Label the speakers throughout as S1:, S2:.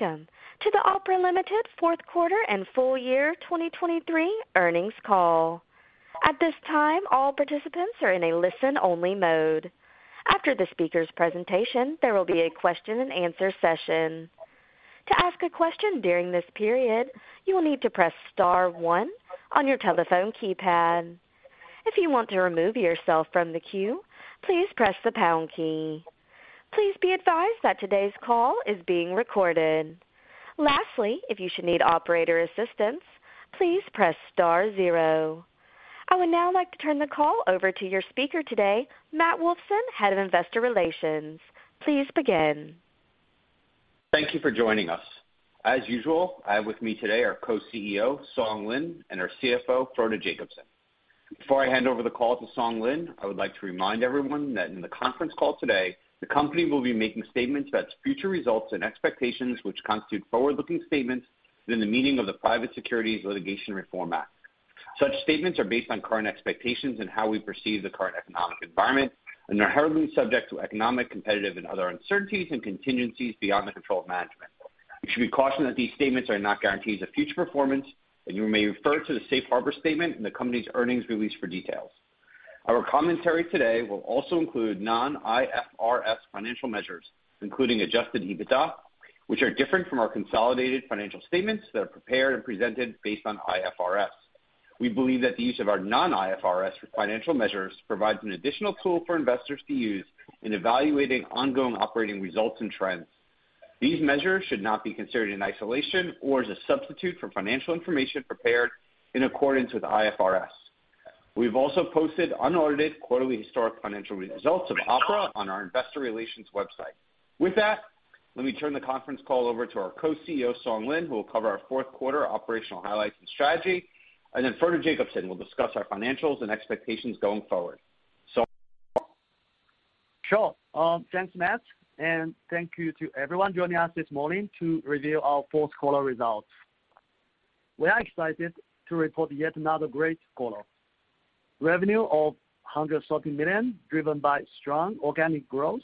S1: Welcome to the Opera Limited Fourth Quarter and Full Year 2023 Earnings Call. At this time, all participants are in a listen-only mode. After the speaker's presentation, there will be a question-and-answer session. To ask a question during this period, you will need to press star one on your telephone keypad. If you want to remove yourself from the queue, please press the pound key. Please be advised that today's call is being recorded. Lastly, if you should need operator assistance, please press star zero. I would now like to turn the call over to your speaker today, Matt Wolfson, Head of Investor Relations. Please begin.
S2: Thank you for joining us. As usual, I have with me today our Co-CEO, Lin Song, and our CFO, Frode Jacobsen. Before I hand over the call to Lin Song, I would like to remind everyone that in the conference call today, the company will be making statements about future results and expectations which constitute forward-looking statements within the meaning of the Private Securities Litigation Reform Act. Such statements are based on current expectations and how we perceive the current economic environment, and are heavily subject to economic, competitive, and other uncertainties and contingencies beyond the control of management. You should be cautioned that these statements are not guarantees of future performance, and you may refer to the Safe Harbor Statement in the company's earnings release for details. Our commentary today will also include non-IFRS financial measures, including adjusted EBITDA, which are different from our consolidated financial statements that are prepared and presented based on IFRS. We believe that the use of our non-IFRS financial measures provides an additional tool for investors to use in evaluating ongoing operating results and trends. These measures should not be considered in isolation or as a substitute for financial information prepared in accordance with IFRS. We've also posted unaudited quarterly historic financial results of Opera on our investor relations website. With that, let me turn the conference call over to our Co-CEO, Song Lin, who will cover our fourth quarter operational highlights and strategy, and then Frode Jacobsen will discuss our financials and expectations going forward. Sure. Thanks, Matt, and thank you to everyone joining us this morning to review our fourth quarter results. We are excited to report yet another great quarter. Revenue of $130 million, driven by strong organic growth,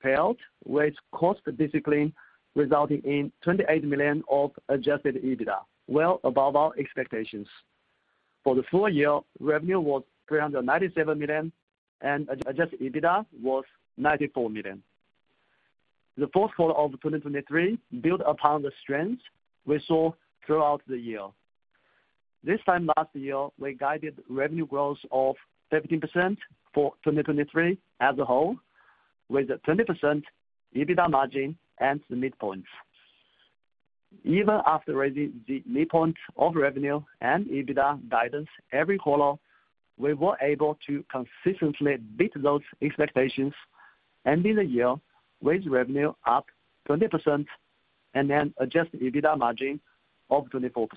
S2: paired with cost discipline resulting in $28 million of adjusted EBITDA, well above our expectations. For the full year, revenue was $397 million, and adjusted EBITDA was $94 million. The fourth quarter of 2023 built upon the strengths we saw throughout the year. This time last year, we guided revenue growth of 15% for 2023 as a whole, with a 20% EBITDA margin at the midpoint. Even after raising the midpoint of revenue and EBITDA guidance every quarter, we were able to consistently beat those expectations, ending the year with revenue up 20% and an adjusted EBITDA margin of 24%.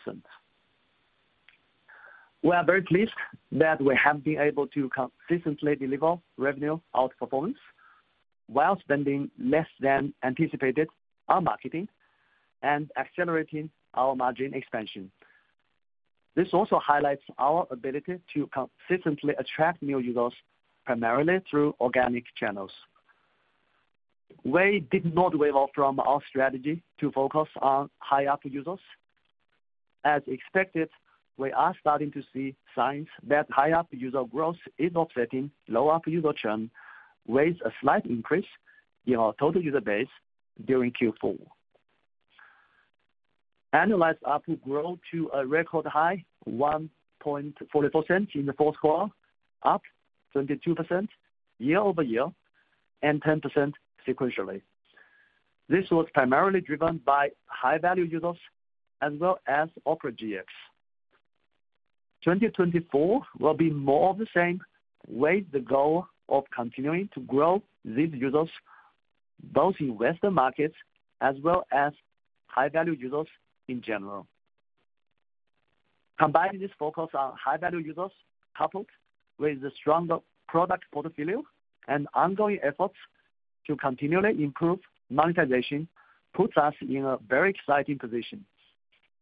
S2: We are very pleased that we have been able to consistently deliver revenue outperformance while spending less than anticipated on marketing and accelerating our margin expansion. This also highlights our ability to consistently attract new users, primarily through organic channels. We did not waver from our strategy to focus on High-ARPU users. As expected, we are starting to see signs that High-ARPU user growth is offsetting Low-ARPU user churn with a slight increase in our total user base during Q4. Annualized ARPU growth to a record high, 1.44% in the fourth quarter, up 22% year over year, and 10% sequentially. This was primarily driven by high-value users as well as Opera GX. 2024 will be more of the same with the goal of continuing to grow these users, both in Western markets as well as high-value users in general. Combining this focus on high-value users coupled with the stronger product portfolio and ongoing efforts to continually improve monetization puts us in a very exciting position.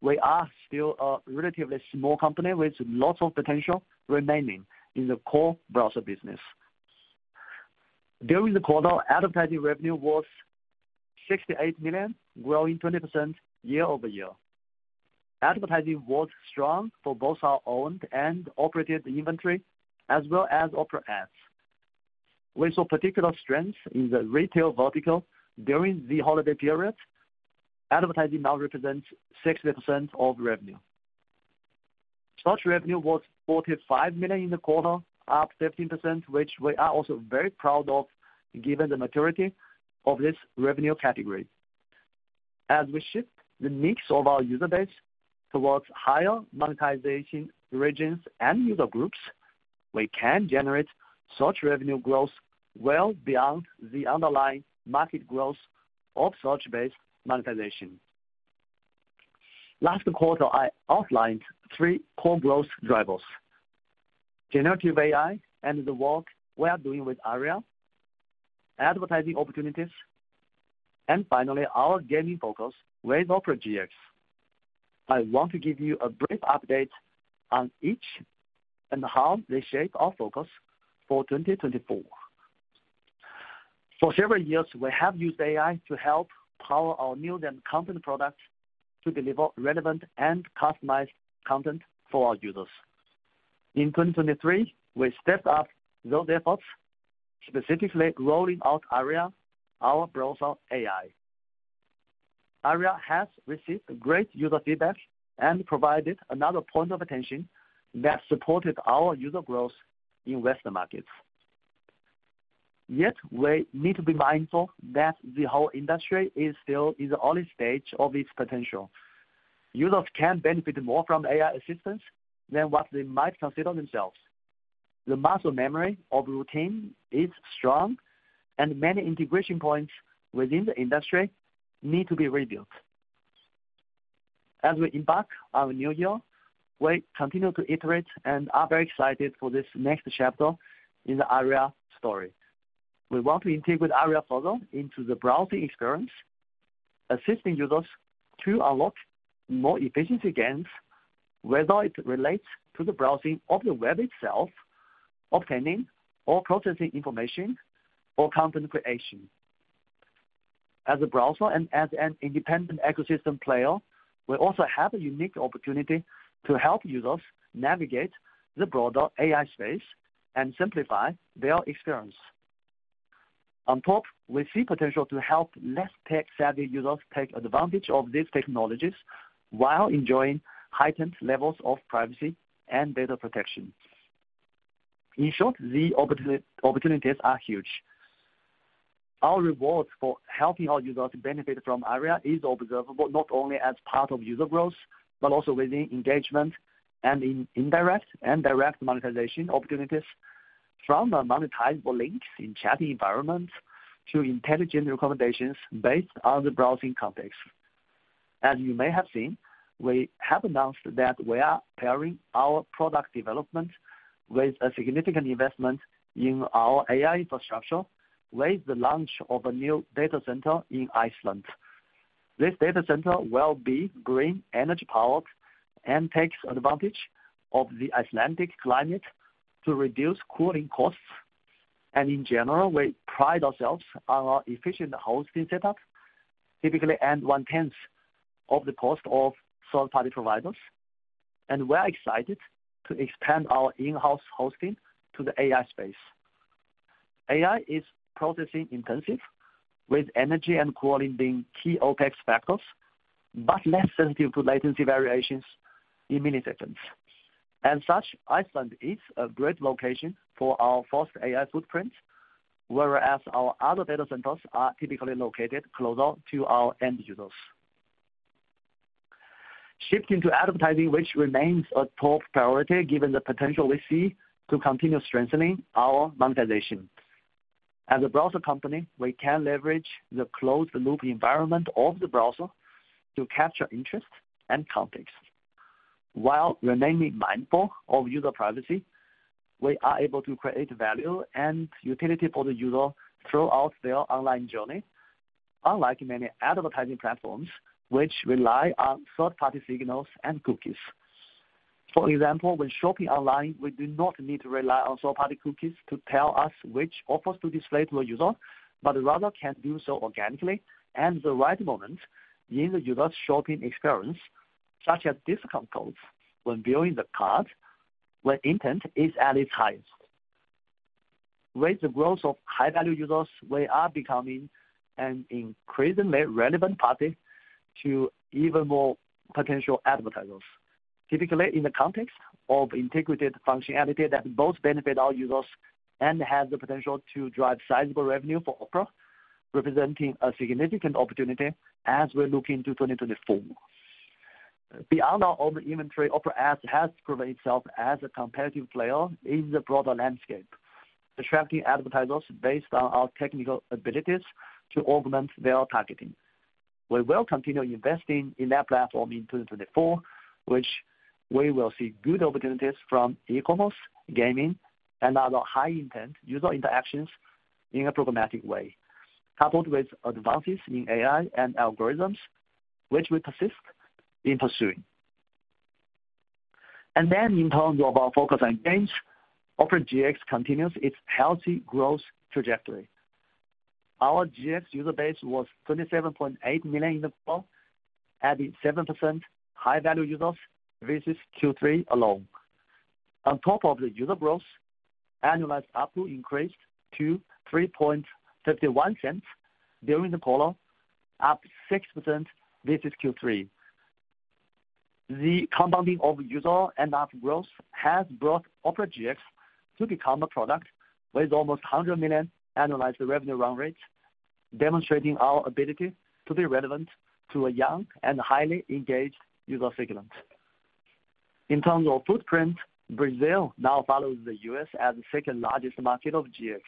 S2: We are still a relatively small company with lots of potential remaining in the core browser business. During the quarter, advertising revenue was $68 million, growing 20% year-over-year. Advertising was strong for both our owned and operated inventory as well as Opera Ads. We saw particular strengths in the retail vertical during the holiday period. Advertising now represents 60% of revenue. Search revenue was $45 million in the quarter, up 15%, which we are also very proud of given the maturity of this revenue category. As we shift the needs of our user base towards higher monetization regions and user groups, we can generate search revenue growth well beyond the underlying market growth of search-based monetization. Last quarter, I outlined three core growth drivers: generative AI and the work we are doing with Aria, advertising opportunities, and finally, our gaming focus with Opera GX. I want to give you a brief update on each and how they shape our focus for 2024. For several years, we have used AI to help power our news and content products to deliver relevant and customized content for our users. In 2023, we stepped up those efforts, specifically rolling out Aria, our browser AI. Aria has received great user feedback and provided another point of attention that supported our user growth in Western markets. Yet, we need to be mindful that the whole industry is still in the early stage of its potential. Users can benefit more from AI assistance than what they might consider themselves. The muscle memory of routine is strong, and many integration points within the industry need to be rebuilt. As we embark on a new year, we continue to iterate and are very excited for this next chapter in the Aria story. We want to integrate Aria further into the browsing experience, assisting users to unlock more efficiency gains, whether it relates to the browsing of the web itself, obtaining or processing information, or content creation. As a browser and as an independent ecosystem player, we also have a unique opportunity to help users navigate the broader AI space and simplify their experience. On top, we see potential to help less tech-savvy users take advantage of these technologies while enjoying heightened levels of privacy and data protection. In short, the opportunities are huge. Our rewards for helping our users benefit from Aria are observable not only as part of user growth but also within engagement and in indirect and direct monetization opportunities from monetizable links in chatting environments to intelligent recommendations based on the browsing context. As you may have seen, we have announced that we are pairing our product development with a significant investment in our AI infrastructure with the launch of a new data center in Iceland. This data center will be green energy-powered and takes advantage of the Icelandic climate to reduce cooling costs. In general, we pride ourselves on our efficient hosting setup, typically at one-tenth of the cost of third-party providers, and we are excited to expand our in-house hosting to the AI space. AI is processing-intensive, with energy and cooling being key OpEx factors but less sensitive to latency variations in milliseconds. As such, Iceland is a great location for our first AI footprint, whereas our other data centers are typically located closer to our end users. Shifting to advertising, which remains a top priority given the potential we see to continue strengthening our monetization. As a browser company, we can leverage the closed-loop environment of the browser to capture interest and context. While remaining mindful of user privacy, we are able to create value and utility for the user throughout their online journey, unlike many advertising platforms which rely on third-party signals and cookies. For example, when shopping online, we do not need to rely on third-party cookies to tell us which offers to display to a user but rather can do so organically and at the right moment in the user's shopping experience, such as discount codes when viewing the cart when intent is at its highest. With the growth of high-value users, we are becoming an increasingly relevant party to even more potential advertisers, typically in the context of integrated functionality that both benefit our users and have the potential to drive sizable revenue for Opera, representing a significant opportunity as we look into 2024. Beyond our own inventory, Opera Ads has proven itself as a competitive player in the broader landscape, attracting advertisers based on our technical abilities to augment their targeting. We will continue investing in that platform in 2024, which we will see good opportunities from e-commerce, gaming, and other high-intent user interactions in a programmatic way, coupled with advances in AI and algorithms, which we persist in pursuing. And then in terms of our focus on games, Opera GX continues its healthy growth trajectory. Our GX user base was 27.8 million in the quarter, adding 7% high-value users versus Q3 alone. On top of the user growth, ARPU increased to $0.0351 during the quarter, up 6% versus Q3. The compounding of user and app growth has brought Opera GX to become a product with almost $100 million annualized revenue run rate, demonstrating our ability to be relevant to a young and highly engaged user segment. In terms of footprint, Brazil now follows the U.S. as the second-largest market of GX.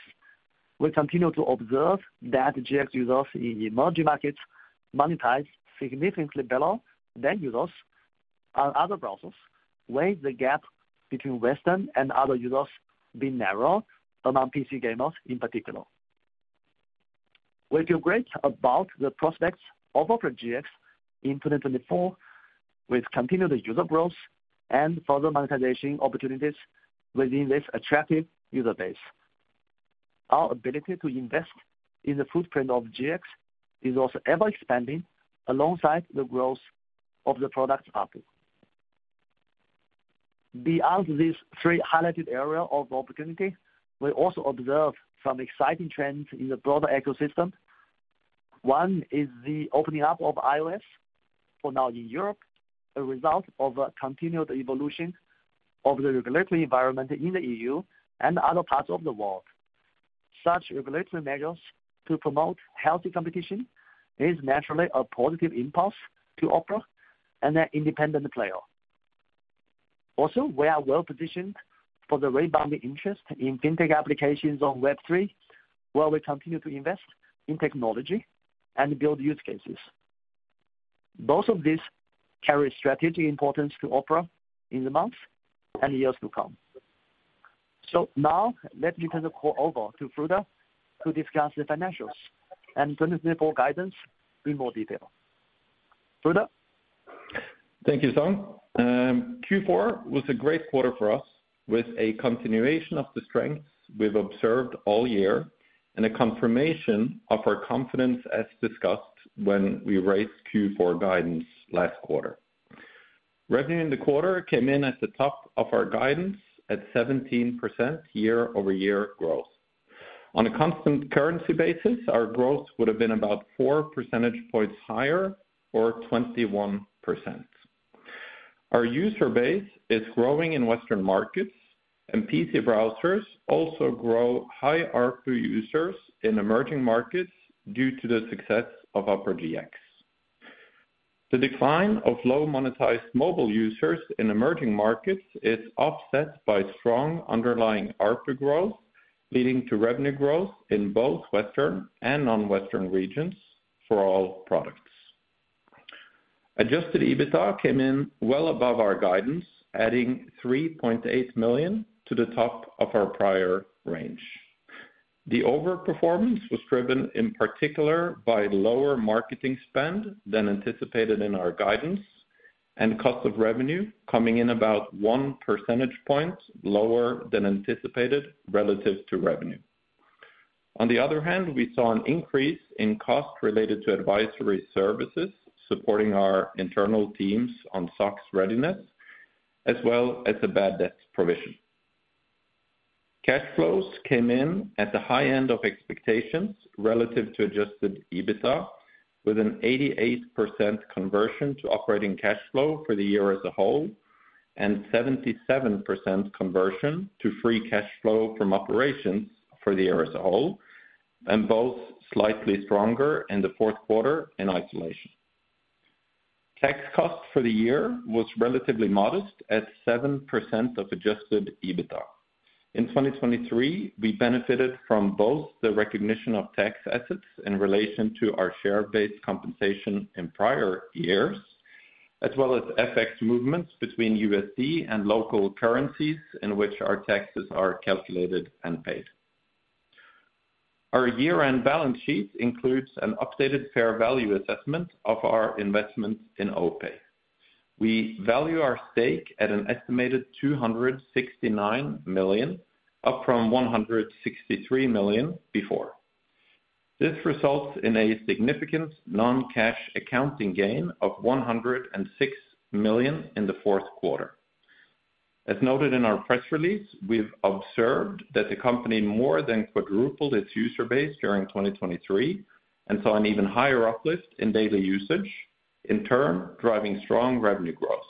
S2: We continue to observe that GX users in emerging markets monetize significantly better than users on other browsers, with the gap between Western and other users being narrower among PC gamers in particular. We feel great about the prospects of Opera GX in 2024, with continued user growth and further monetization opportunities within this attractive user base. Our ability to invest in the footprint of GX is also ever-expanding alongside the growth of the product's ARPU. Beyond these three highlighted areas of opportunity, we also observe some exciting trends in the broader ecosystem. One is the opening up of iOS for now in Europe, a result of continued evolution of the regulatory environment in the EU and other parts of the world. Such regulatory measures to promote healthy competition is naturally a positive impulse to Opera as an independent player. Also, we are well-positioned for the rebounding interest in fintech applications on Web3, where we continue to invest in technology and build use cases. Both of these carry strategic importance to Opera in the months and years to come. So now, let me turn the call over to Frode to discuss the financials and 2024 guidance in more detail. Frode?
S3: Thank you, Song. Q4 was a great quarter for us, with a continuation of the strengths we've observed all year and a confirmation of our confidence as discussed when we raised Q4 guidance last quarter. Revenue in the quarter came in at the top of our guidance at 17% year-over-year growth. On a constant currency basis, our growth would have been about four percentage points higher or 21%. Our user base is growing in Western markets, and PC browsers also grow high-ARPU users in emerging markets due to the success of Opera GX. The decline of low-monetized mobile users in emerging markets is offset by strong underlying ARPU growth, leading to revenue growth in both Western and non-Western regions for all products. Adjusted EBITDA came in well above our guidance, adding $3.8 million to the top of our prior range. The overperformance was driven in particular by lower marketing spend than anticipated in our guidance and cost of revenue coming in about one percentage point lower than anticipated relative to revenue. On the other hand, we saw an increase in costs related to advisory services supporting our internal teams on SOX readiness, as well as a bad debt provision. Cash flows came in at the high end of expectations relative to Adjusted EBITDA, with an 88% conversion to operating cash flow for the year as a whole and 77% conversion to free cash flow from operations for the year as a whole, and both slightly stronger in the fourth quarter in isolation. Tax costs for the year were relatively modest at 7% of Adjusted EBITDA. In 2023, we benefited from both the recognition of tax assets in relation to our share-based compensation in prior years, as well as FX movements between USD and local currencies in which our taxes are calculated and paid. Our year-end balance sheet includes an updated fair value assessment of our investment in OPay. We value our stake at an estimated $269 million, up from $163 million before. This results in a significant non-cash accounting gain of $106 million in the fourth quarter. As noted in our press release, we've observed that the company more than quadrupled its user base during 2023 and saw an even higher uplift in daily usage, in turn driving strong revenue growth.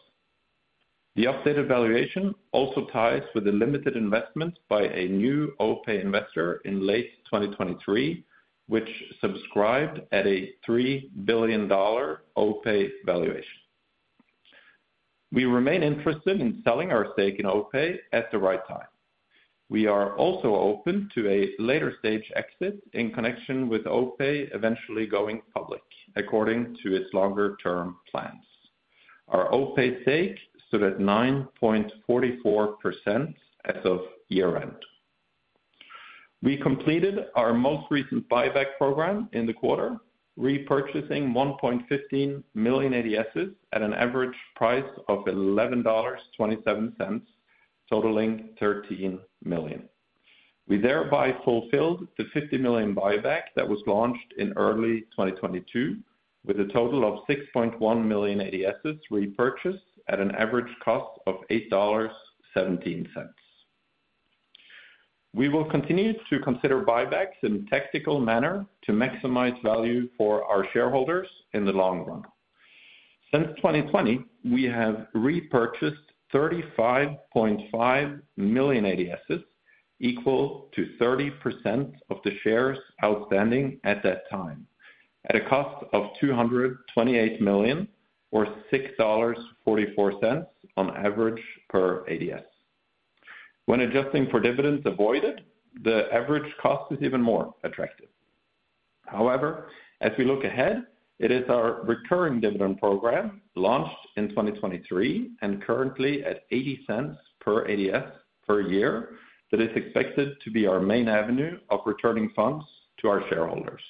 S3: The updated valuation also ties with a limited investment by a new OPay investor in late 2023, which subscribed at a $3 billion OPay valuation. We remain interested in selling our stake in OPay at the right time. We are also open to a later-stage exit in connection with OPay eventually going public, according to its longer-term plans. Our OPay stake stood at 9.44% as of year-end. We completed our most recent buyback program in the quarter, repurchasing 1.15 million ADSs at an average price of $11.27, totaling $13 million. We thereby fulfilled the $50 million buyback that was launched in early 2022, with a total of 6.1 million ADSs repurchased at an average cost of $8.17. We will continue to consider buybacks in a tactical manner to maximize value for our shareholders in the long run. Since 2020, we have repurchased 35.5 million ADSs, equal to 30% of the shares outstanding at that time, at a cost of $228 million or $6.44 on average per ADS. When adjusting for dividends avoided, the average cost is even more attractive. However, as we look ahead, it is our recurring dividend program, launched in 2023 and currently at $0.80 per ADS per year, that is expected to be our main avenue of returning funds to our shareholders.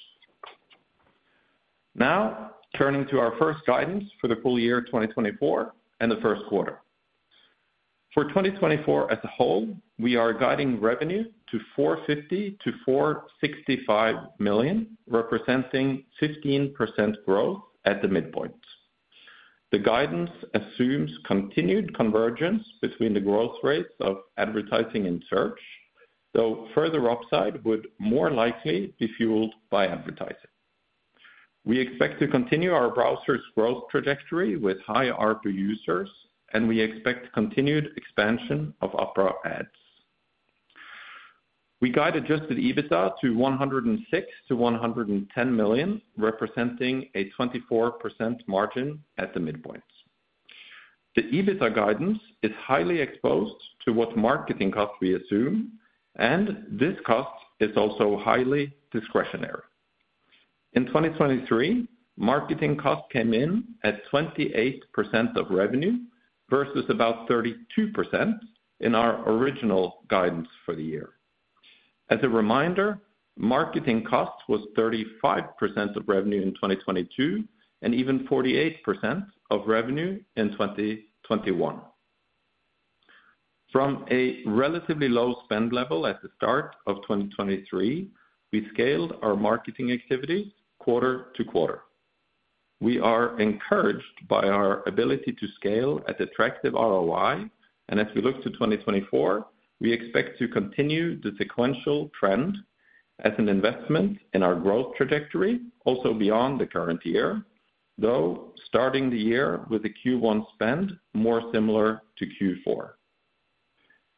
S3: Now, turning to our first guidance for the full year 2024 and the first quarter. For 2024 as a whole, we are guiding revenue to $450 million-$465 million, representing 15% growth at the midpoint. The guidance assumes continued convergence between the growth rates of advertising and search, though further upside would more likely be fueled by advertising. We expect to continue our browser's growth trajectory with high-ARPU users, and we expect continued expansion of Opera Ads. We guide Adjusted EBITDA to $106 million-$110 million, representing a 24% margin at the midpoint. The EBITDA guidance is highly exposed to what marketing costs we assume, and this cost is also highly discretionary. In 2023, marketing costs came in at 28% of revenue versus about 32% in our original guidance for the year. As a reminder, marketing costs were 35% of revenue in 2022 and even 48% of revenue in 2021. From a relatively low spend level at the start of 2023, we scaled our marketing activities quarter to quarter. We are encouraged by our ability to scale at attractive ROI, and as we look to 2024, we expect to continue the sequential trend as an investment in our growth trajectory, also beyond the current year, though starting the year with a Q1 spend more similar to Q4.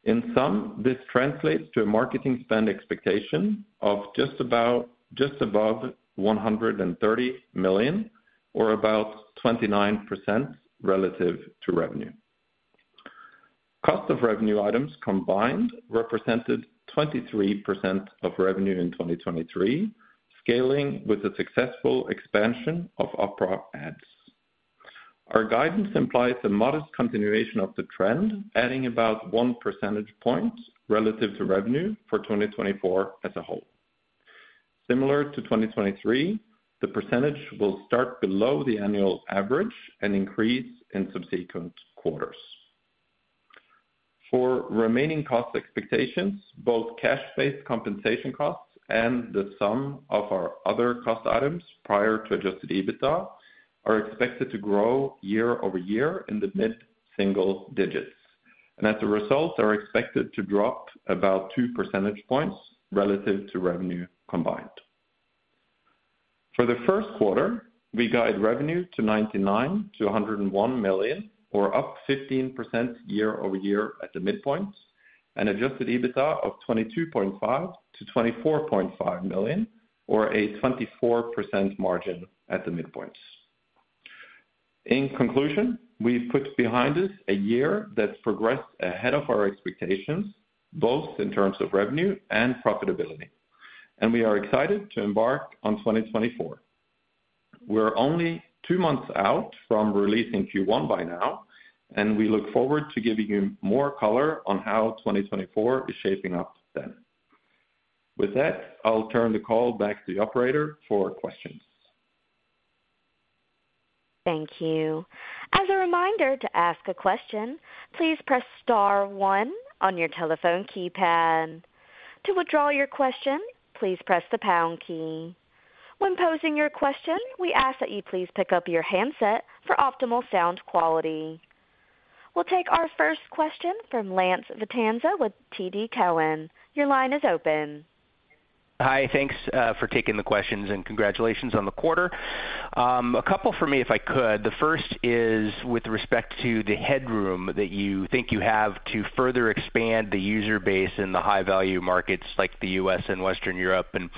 S3: In sum, this translates to a marketing spend expectation of just about just above $130 million or about 29% relative to revenue. Cost of revenue items combined represented 23% of revenue in 2023, scaling with a successful expansion of Opera Ads. Our guidance implies a modest continuation of the trend, adding about one percentage point relative to revenue for 2024 as a whole. Similar to 2023, the percentage will start below the annual average and increase in subsequent quarters. For remaining cost expectations, both cash-based compensation costs and the sum of our other cost items prior to Adjusted EBITDA are expected to grow year-over-year in the mid-single digits, and as a result, are expected to drop about two percentage points relative to revenue combined. For the first quarter, we guide revenue to $99-$101 million or up 15% year-over-year at the midpoint, and Adjusted EBITDA of $22.5-$24.5 million or a 24% margin at the midpoint. In conclusion, we've put behind us a year that's progressed ahead of our expectations, both in terms of revenue and profitability, and we are excited to embark on 2024. We're only two months out from releasing Q1 by now, and we look forward to giving you more color on how 2024 is shaping up then. With that, I'll turn the call back to the Operator for questions.
S1: Thank you. As a reminder to ask a question, please press star one on your telephone keypad. To withdraw your question, please press the pound key. When posing your question, we ask that you please pick up your handset for optimal sound quality. We'll take our first question from Lance Vitanza with TD Cowen. Your line is open.
S4: Hi. Thanks for taking the questions, and congratulations on the quarter. A couple for me, if I could. The first is with respect to the headroom that you think you have to further expand the user base in the high-value markets like the U.S. and Western Europe. And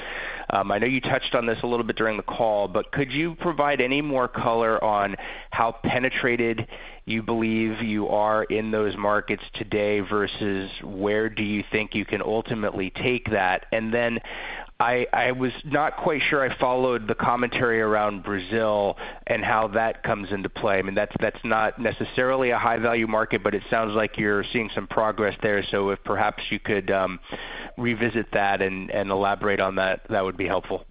S4: I know you touched on this a little bit during the call, but could you provide any more color on how penetrated you believe you are in those markets today versus where do you think you can ultimately take that? And then I was not quite sure I followed the commentary around Brazil and how that comes into play. I mean, that's not necessarily a high-value market, but it sounds like you're seeing some progress there. So if perhaps you could revisit that and elaborate on that, that would be helpful.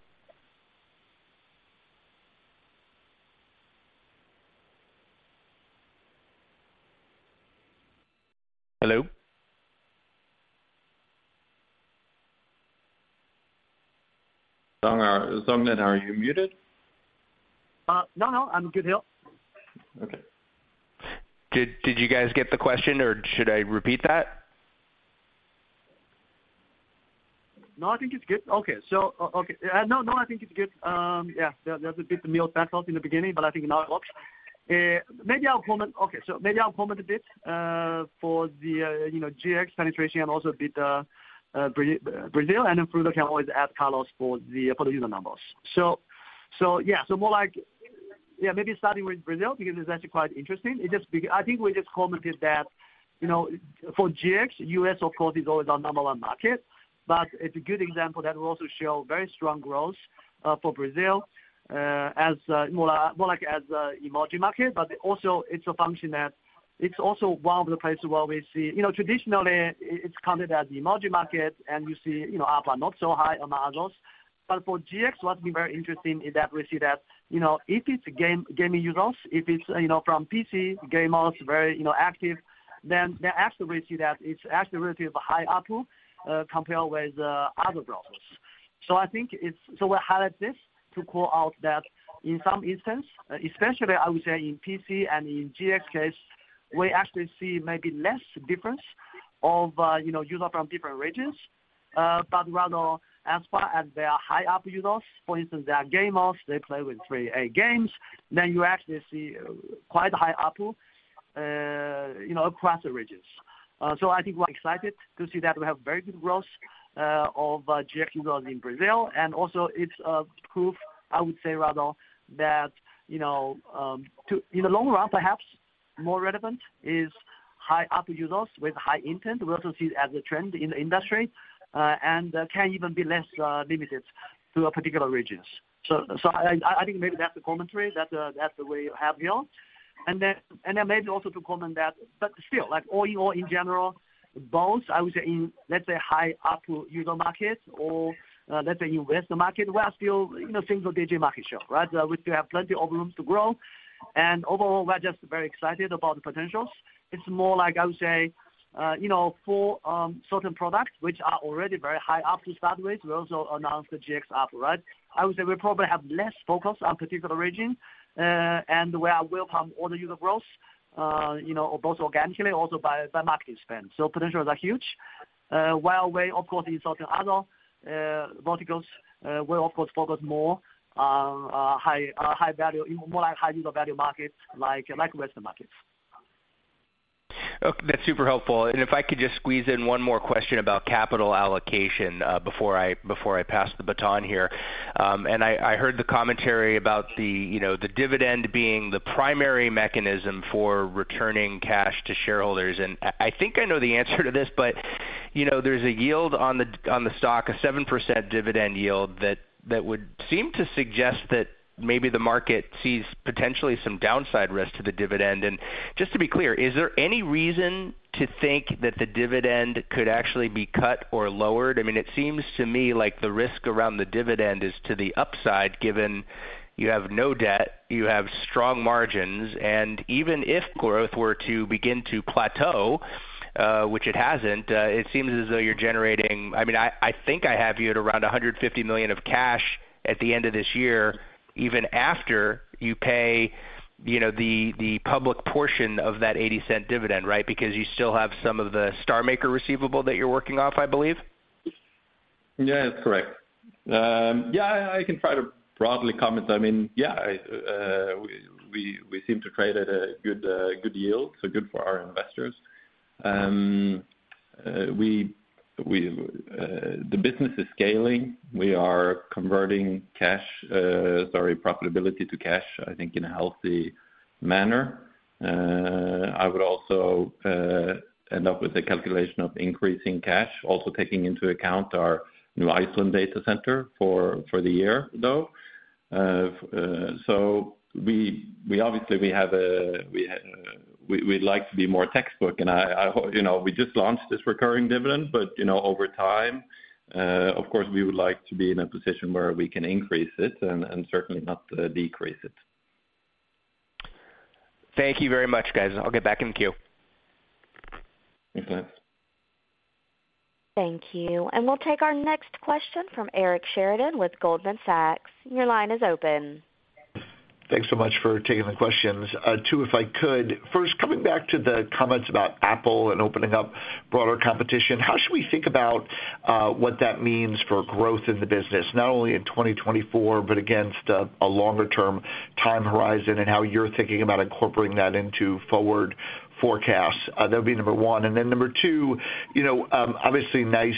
S4: Hello?
S3: Song, are you muted?
S5: No, no. I'm good here.
S3: Okay.
S4: Did you guys get the question, or should I repeat that?
S5: No, I think it's good. Okay. So okay. No, no. I think it's good. Yeah, there's a bit of [mishap] in the beginning, but I think now it works. Maybe I'll comment okay. So maybe I'll comment a bit for the GX penetration and also a bit Brazil, and then Frode can always add colors for the user numbers. So yeah, so more like yeah, maybe starting with Brazil because it's actually quite interesting. I think we just commented that for GX, US, of course, is always our number one market, but it's a good example that will also show very strong growth for Brazil as more like as an emerging market. But also, it's a function that it's also one of the places where we see traditionally, it's counted as the emerging market, and you see Opera not so high among others. But for GX, what's been very interesting is that we see that if it's gaming users, if it's from PC gamers, very active, then actually, we see that it's actually relatively high ARPU compared with other browsers. So I think it's so we highlight this to call out that in some instances, especially, I would say, in PC and in GX case, we actually see maybe less difference of users from different regions. But rather, as far as their high ARPU users, for instance, they are gamers. They play with AAA games. Then you actually see quite high ARPU across the regions. So I think we're excited to see that we have very good growth of GX users in Brazil. And also, it's proof, I would say, rather that in the long run, perhaps more relevant is high ARPU users with high intent. We also see it as a trend in the industry and can even be less limited to particular regions. So I think maybe that's the commentary that we have here. And then maybe also to comment that but still, all in general, both, I would say, in, let's say, high ARPU user market or, let's say, in Western market, we are still seeing the desktop market share, right? We still have plenty of room to grow. And overall, we're just very excited about the potentials. It's more like, I would say, for certain products which are already very high ARPU starting with, we also announced the GX ARPU, right? I would say we probably have less focus on particular region and where we'll pump all the user growth, both organically, also by marketing spend. So potentials are huge. While we, of course, in certain other verticals, we, of course, focus more on high-value, more like high-user value markets like Western markets.
S4: That's super helpful. If I could just squeeze in one more question about capital allocation before I pass the baton here. I heard the commentary about the dividend being the primary mechanism for returning cash to shareholders. I think I know the answer to this, but there's a yield on the stock, a 7% dividend yield, that would seem to suggest that maybe the market sees potentially some downside risk to the dividend. Just to be clear, is there any reason to think that the dividend could actually be cut or lowered? I mean, it seems to me like the risk around the dividend is to the upside given you have no debt, you have strong margins, and even if growth were to begin to plateau, which it hasn't, it seems as though you're generating I mean, I think I have you at around $150 million of cash at the end of this year, even after you pay the public portion of that $0.80 dividend, right, because you still have some of the StarMaker receivable that you're working off, I believe.
S3: Yeah, that's correct. Yeah, I can try to broadly comment. I mean, yeah, we seem to trade at a good yield, so good for our investors. The business is scaling. We are converting cash, sorry, profitability to cash, I think, in a healthy manner. I would also end up with a calculation of increasing cash, also taking into account our new Iceland data center for the year, though. So obviously, we have a, we'd like to be more textbook. And we just launched this recurring dividend, but over time, of course, we would like to be in a position where we can increase it and certainly not decrease it.
S4: Thank you very much, guys. I'll get back in the queue.
S3: Thanks.
S1: Thank you. And we'll take our next question from Eric Sheridan with Goldman Sachs. Your line is open.
S6: Thanks so much for taking the questions. Too, if I could, first, coming back to the comments about Apple and opening up broader competition, how should we think about what that means for growth in the business, not only in 2024 but against a longer-term time horizon and how you're thinking about incorporating that into forward forecasts? That would be number one. And then number two, obviously, nice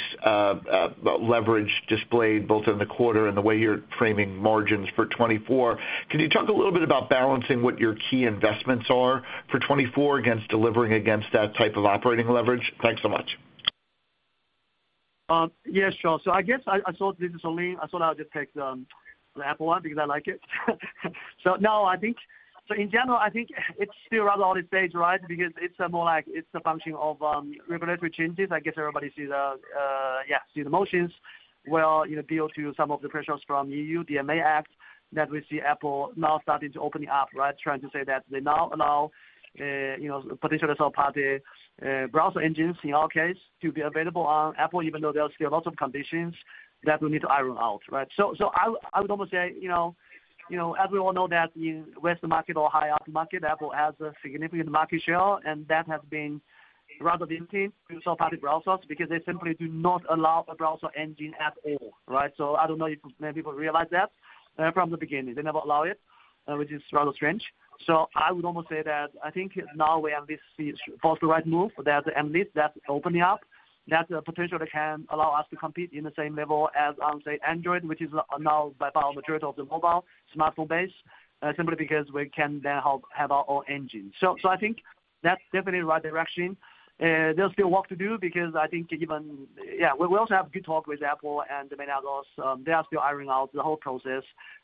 S6: leverage displayed both in the quarter and the way you're framing margins for 2024. Can you talk a little bit about balancing what your key investments are for 2024 against delivering against that type of operating leverage? Thanks so much.
S5: Yes, sure. So, I guess I saw this already. I thought I would just take the Apple one because I like it. So, no, I think so in general, I think it's still rather early stage, right, because it's more like it's a function of regulatory changes. I guess everybody sees the yeah, sees the motions will deal to some of the pressures from EU, DMA Act that we see Apple now starting to open up, right, trying to say that they now allow potentially third-party browser engines, in our case, to be available on Apple, even though there are still lots of conditions that we need to iron out, right? So I would almost say, as we all know, that in Western market or high-ARPU market, Apple has a significant market share, and that has been rather limiting to third-party browsers because they simply do not allow a browser engine at all, right? So I don't know if many people realize that from the beginning. They never allow it, which is rather strange. So I would almost say that I think now we at least see forced the right move that at least that's opening up, that potentially can allow us to compete in the same level as, say, Android, which is now by far the majority of the mobile smartphone base, simply because we can then have our own engine. So I think that's definitely the right direction. There's still work to do because I think even we also have good talk with Apple and many others. They are still ironing out the whole process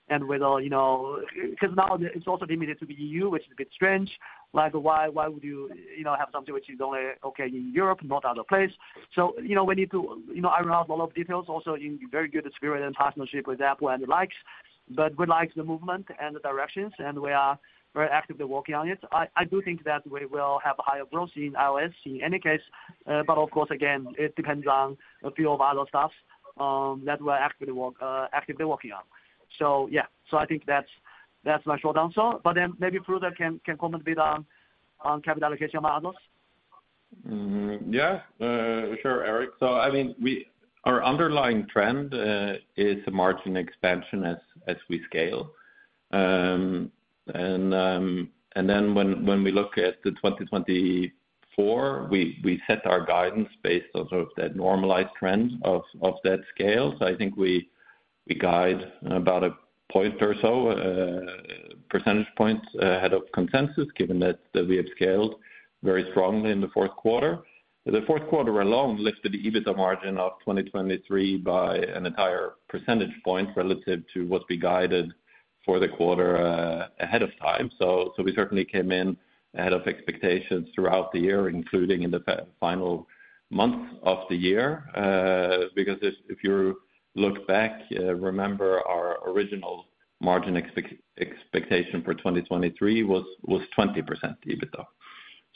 S5: and whether because now it's also limited to the EU, which is a bit strange. Why would you have something which is only, okay, in Europe, not other place? So we need to iron out a lot of details, also in very good spirit and partnership with Apple and the likes, but we like the movement and the directions, and we are very actively working on it. I do think that we will have higher growth in iOS in any case. But of course, again, it depends on a few of other stuff that we're actively working on. So yeah, so I think that's my short answer. But then maybe Frode can comment a bit on capital allocation among others.
S3: Yeah, sure, Eric. So I mean, our underlying trend is margin expansion as we scale. And then when we look at the 2024, we set our guidance based on sort of that normalized trend of that scale. So I think we guide about a point or so, percentage point, ahead of consensus given that we have scaled very strongly in the fourth quarter. The fourth quarter alone lifted the EBITDA margin of 2023 by an entire percentage point relative to what we guided for the quarter ahead of time. So we certainly came in ahead of expectations throughout the year, including in the final months of the year, because if you look back, remember our original margin expectation for 2023 was 20% EBITDA.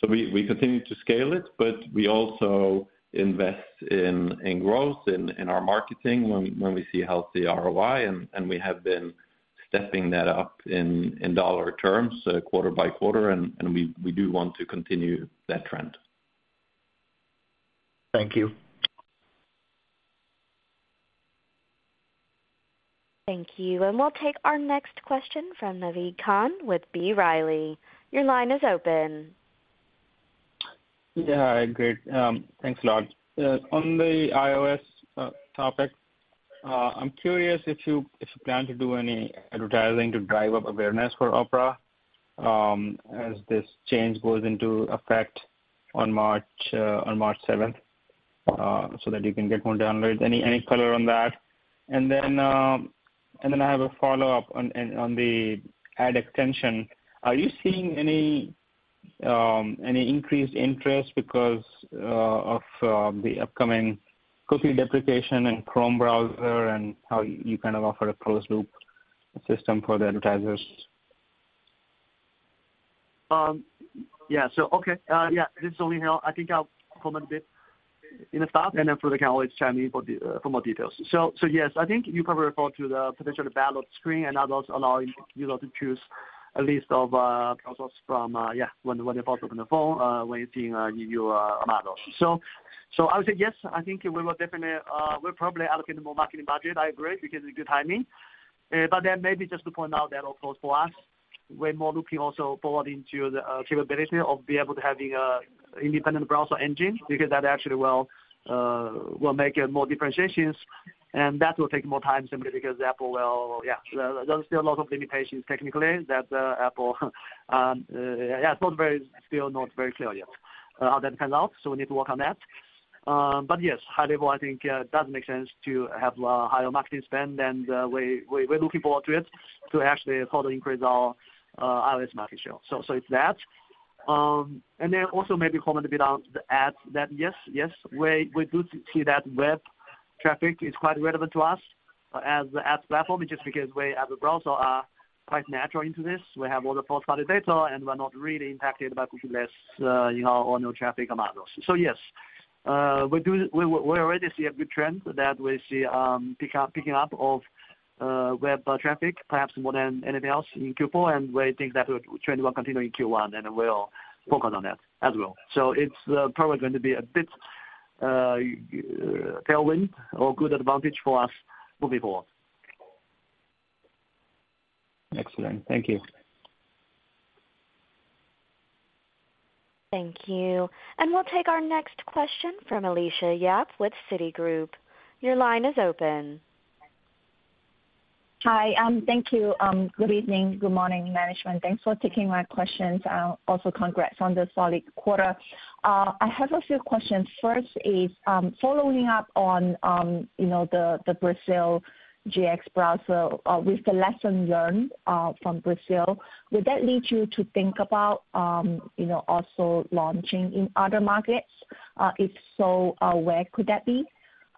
S3: We continue to scale it, but we also invest in growth in our marketing when we see healthy ROI, and we have been stepping that up in dollar terms quarter by quarter, and we do want to continue that trend.
S6: Thank you.
S1: Thank you. We'll take our next question from Naved Khan with B. Riley. Your line is open.
S7: Yeah, great. Thanks a lot. On the iOS topic, I'm curious if you plan to do any advertising to drive up awareness for Opera as this change goes into effect on March 7th so that you can get more downloads, any color on that? And then I have a follow-up on the ad extension. Are you seeing any increased interest because of the upcoming cookie deprecation and Chrome browser and how you kind of offer a closed-loop system for the advertisers?
S5: Yeah. So okay. Yeah, this is only I think I'll comment a bit on the stuff, and then Frode can always chat me for more details. So yes, I think you probably referred to the potential to ballot screen and others allowing users to choose a list of browsers from, yeah, when they first open the phone, when you're setting up your mobile. So I would say yes. I think we will definitely we'll probably allocate more marketing budget. I agree because it's a good timing. But then maybe just to point out that, of course, for us, we're more looking also forward into the capability of being able to have an independent browser engine because that actually will make more differentiations. That will take more time simply because Apple will, there are still lots of limitations technically that Apple, it's still not very clear yet how that turns out. So we need to work on that. But yes, high level, I think does make sense to have higher marketing spend, and we're looking forward to it to actually further increase our iOS market share. So it's that. And then also maybe comment a bit on the ads that yes, yes, we do see that web traffic is quite relevant to us as the ads platform, just because we as a browser are quite natural into this. We have all the third-party data, and we're not really impacted by cookie-less or no traffic among others. So yes, we already see a good trend that we see picking up of web traffic, perhaps more than anything else in Q4, and we think that trend will continue in Q1, and we'll focus on that as well. So it's probably going to be a bit tailwind or good advantage for us moving forward.
S7: Excellent. Thank you.
S1: Thank you. And we'll take our next question from Alicia Yap with Citigroup. Your line is open.
S8: Hi. Thank you. Good evening. Good morning, management. Thanks for taking my questions. Also, congrats on the solid quarter. I have a few questions. First is following up on the Brazil GX browser with the lesson learned from Brazil, would that lead you to think about also launching in other markets? If so, where could that be?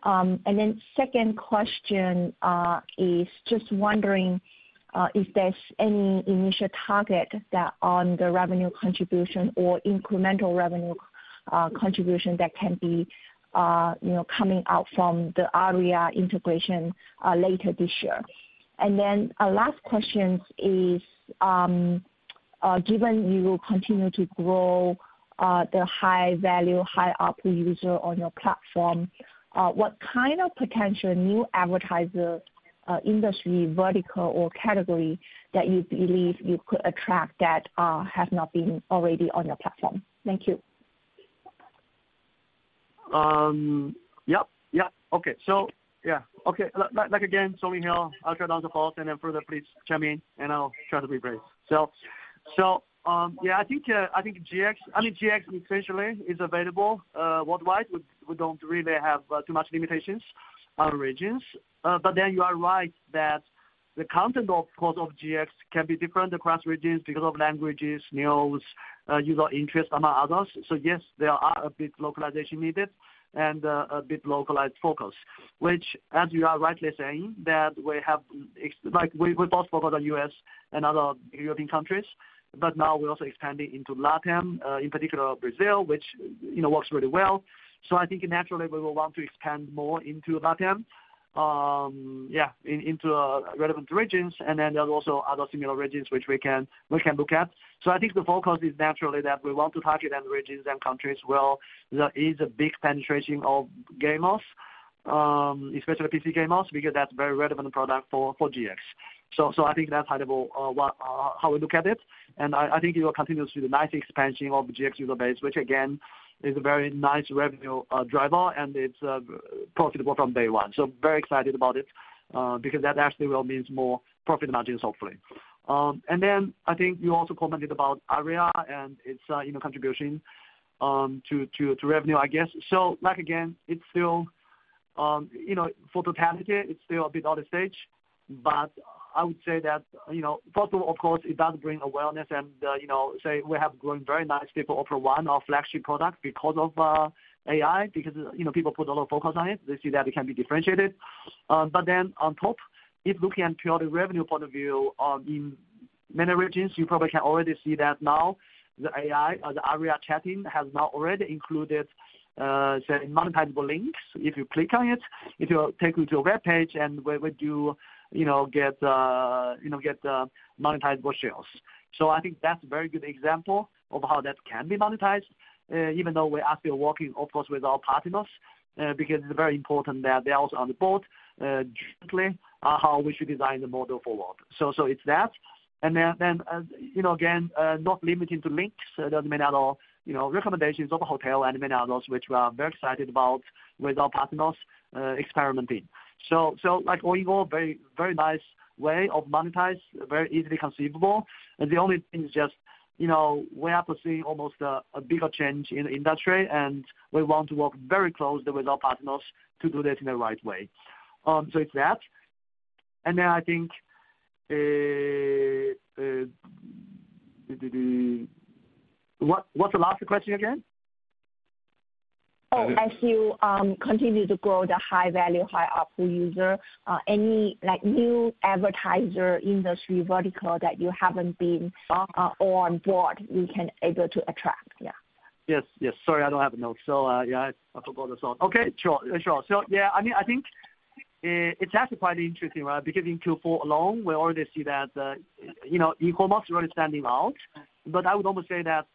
S8: And then second question is just wondering if there's any initial target on the revenue contribution or incremental revenue contribution that can be coming out from the Aria integration later this year. And then our last question is, given you will continue to grow the high-value, high-ARPU user on your platform, what kind of potential new advertiser industry vertical or category that you believe you could attract that has not been already on your platform? Thank you.
S5: Yep. Yep. Okay. So yeah. Okay. Again, Song here, I'll try to answer fast, and then Frode, please chime in, and I'll try to be brief. So yeah, I think GX—I mean, GX—essentially is available worldwide. We don't really have too much limitations on regions. But then you are right that the content, of course, of GX can be different across regions because of languages, news, user interest, among others. So yes, there are a bit localization needed and a bit localized focus, which, as you are rightly saying, that we both focus on U.S. and other European countries, but now we're also expanding into LatAm, in particular Brazil, which works really well. So I think naturally, we will want to expand more into LatAm, yeah, into relevant regions, and then there are also other similar regions which we can look at. So I think the focus is naturally that we want to target end regions and countries where there is a big penetration of gamers, especially PC gamers, because that's a very relevant product for GX. So I think that's high level how we look at it. And I think it will continue to be a nice expansion of GX user base, which, again, is a very nice revenue driver, and it's profitable from day one. So very excited about it because that actually will mean more profit margins, hopefully. And then I think you also commented about Aria and its contribution to revenue, I guess. So again, it's still for totality, it's still a bit early stage. But I would say that first of all, of course, it does bring awareness and say we have grown very nicely for Opera One, our flagship product, because of AI, because people put a lot of focus on it. They see that it can be differentiated. But then on top, if looking at purely revenue point of view in many regions, you probably can already see that now the AI or the Aria chatting has now already included, say, monetizable links. If you click on it, it will take you to a web page, and we do get monetizable sales. So I think that's a very good example of how that can be monetized, even though we are still working, of course, with our partners because it's very important that they are also on board jointly on how we should design the model forward. So it's that. And then again, not limiting to links, there's many other recommendations of hotel and many others which we are very excited about with our partners experimenting. So all in all, very nice way of monetize, very easily conceivable. And the only thing is just we are seeing almost a bigger change in the industry, and we want to work very closely with our partners to do this in the right way. So it's that. And then I think what's the last question again?
S8: Oh, as you continue to grow the high-value, high-ARPU user, any new advertiser industry vertical that you haven't been or on board you can able to attract? Yeah.
S5: Yes. Yes. Sorry, I don't have a note. So yeah, I forgot to ask. Okay. Sure. Sure. So yeah, I mean, I think it's actually quite interesting, right, because in Q4 alone, we already see that e-commerce is really standing out. But I would almost say that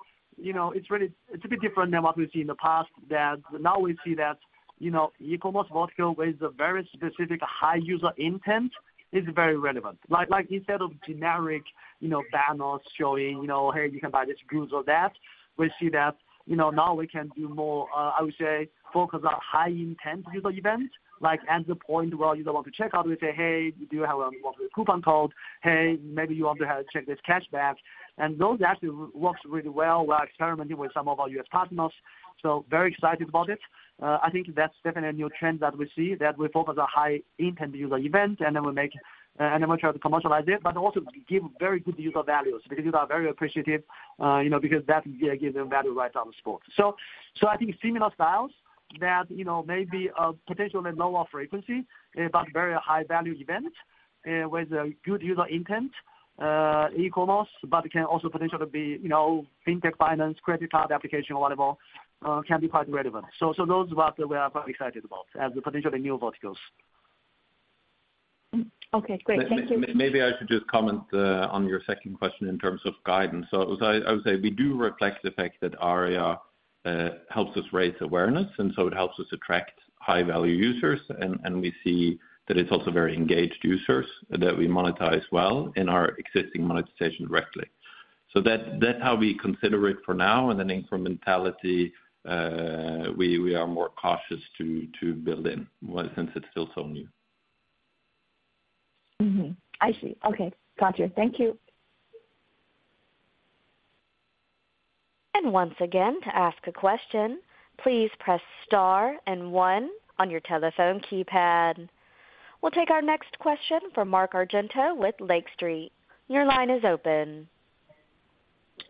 S5: it's a bit different than what we've seen in the past, that now we see that e-commerce vertical with a very specific high user intent is very relevant. Instead of generic banners showing, "Hey, you can buy this goods or that," we see that now we can do more, I would say, focus on high-intent user events at the point where user want to check out. We say, "Hey, do you have a coupon code? Hey, maybe you want to check this cashback?" And those actually work really well. We are experimenting with some of our US partners. So very excited about it. I think that's definitely a new trend that we see, that we focus on high-intent user events, and then we make and then we try to commercialize it, but also give very good user values because users are very appreciative because that gives them value right out of the spot. So I think similar styles that may be potentially lower frequency, but very high-value event with a good user intent, e-commerce, but can also potentially be fintech, finance, credit card application, whatever, can be quite relevant. So those are what we are quite excited about as potentially new verticals.
S8: Okay. Great. Thank you.
S3: Maybe I should just comment on your second question in terms of guidance. So I would say we do reflect the fact that Aria helps us raise awareness, and so it helps us attract high-value users. And we see that it's also very engaged users that we monetize well in our existing monetization directly. So that's how we consider it for now. And then incrementality, we are more cautious to build in since it's still so new.
S8: I see. Okay. Gotcha. Thank you.
S1: And once again, to ask a question, please press star and one on your telephone keypad. We'll take our next question from Mark Argento with Lake Street. Your line is open.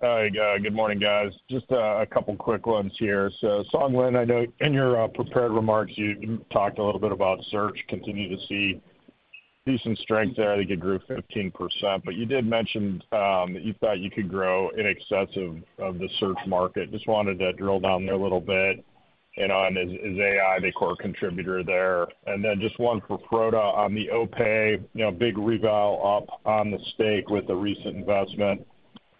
S9: All right. Good morning, guys. Just a couple of quick ones here. So Lin Song, I know in your prepared remarks, you talked a little bit about search, continue to see decent strength there. I think it grew 15%. But you did mention that you thought you could grow in excess of the search market. Just wanted to drill down there a little bit on is AI the core contributor there? And then just one for Frode on the OPay, big reval up on the stake with the recent investment.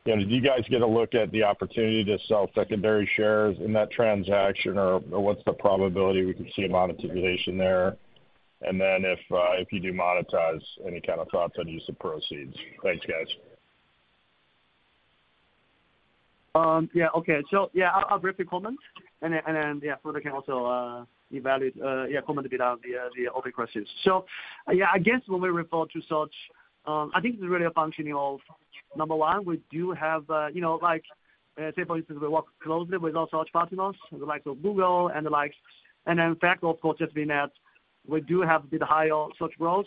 S9: Did you guys get a look at the opportunity to sell secondary shares in that transaction, or what's the probability we could see a monetization there? And then if you do monetize, any kind of thoughts on use of proceeds? Thanks, guys.
S5: Yeah. Okay. So yeah, I'll briefly comment, and then yeah, Frode can also evaluate yeah, comment a bit on the open questions. So yeah, I guess when we refer to search, I think it's really a functioning of, number one, we do have say, for instance, we work closely with our search partners, like Google, and then in fact, of course, just being that we do have a bit higher search growth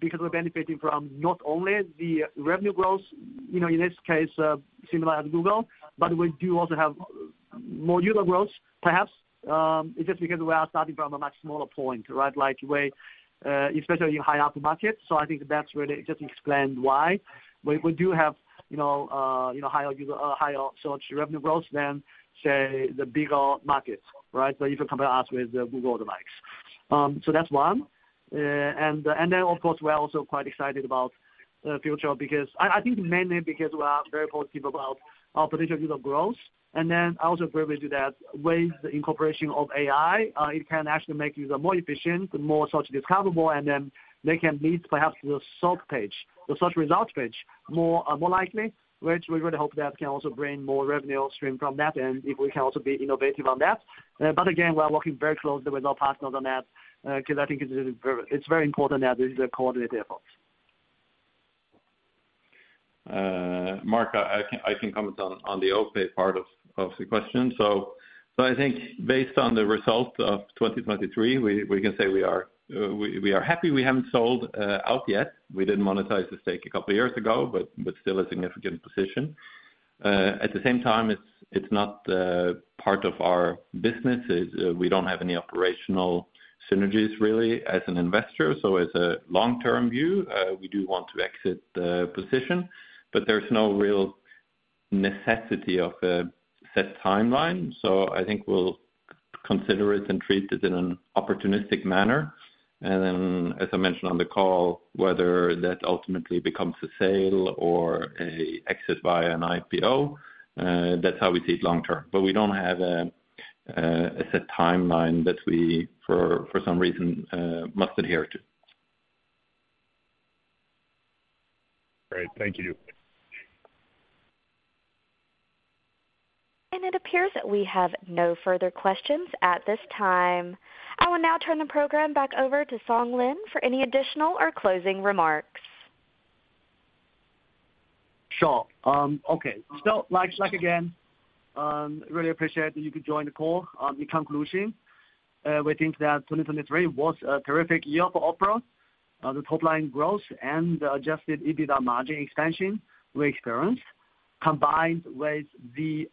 S5: because we're benefiting from not only the revenue growth, in this case, similar as Google, but we do also have more user growth, perhaps, just because we are starting from a much smaller point, right, especially in high-ARPU markets. So I think that's really just explained why we do have higher search revenue growth than, say, the bigger markets, right, if you compare us with Google and the likes. So that's one. And then, of course, we are also quite excited about the future because I think mainly because we are very positive about our potential user growth. I also agree with you that with the incorporation of AI, it can actually make user more efficient, more search discoverable, and then they can lead, perhaps, to the search page, the search results page, more likely, which we really hope that can also bring more revenue stream from that end if we can also be innovative on that. But again, we are working very closely with our partners on that because I think it's very important that this is a coordinated effort.
S3: Mark, I can comment on the OPay part of the question. So I think based on the result of 2023, we can say we are happy. We haven't sold out yet. We did monetize the stake a couple of years ago, but still a significant position. At the same time, it's not part of our business. We don't have any operational synergies, really, as an investor. So as a long-term view, we do want to exit the position, but there's no real necessity of a set timeline. So I think we'll consider it and treat it in an opportunistic manner. And then, as I mentioned on the call, whether that ultimately becomes a sale or an exit via an IPO, that's how we see it long term. But we don't have a set timeline that we, for some reason, must adhere to.
S9: Great. Thank you.
S1: It appears that we have no further questions at this time. I will now turn the program back over to Lin Song for any additional or closing remarks.
S5: Sure. Okay. So again, really appreciate that you could join the call. In conclusion, we think that 2023 was a terrific year for Opera. The top-line growth and the Adjusted EBITDA margin expansion we experienced, combined with the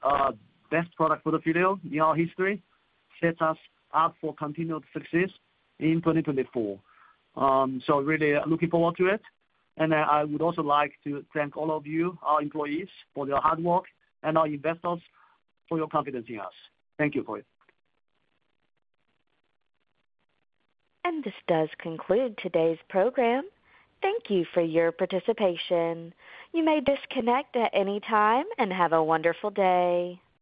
S5: best product for the field in our history, sets us up for continued success in 2024. So really looking forward to it. And then I would also like to thank all of you, our employees, for your hard work, and our investors for your confidence in us. Thank you for it.
S1: This does conclude today's program. Thank you for your participation. You may disconnect at any time and have a wonderful day.